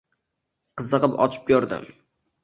Qiziqib ochib ko’rdim.